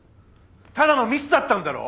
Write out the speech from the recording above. ただのミスだったんだろ？